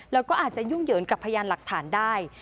แล้วก็อาจจะยุ่งเหยิงกับพยานหลักฐานได้